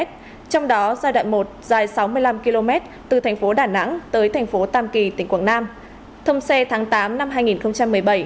trong đó giai đoạn một dài sáu mươi năm km từ thành phố đà nẵng tới thành phố tam kỳ tỉnh quảng nam thông xe tháng tám năm hai nghìn một mươi bảy